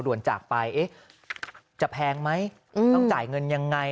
จากไปจะแพงไหมต้องจ่ายเงินยังไง